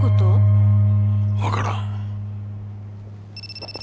わからん。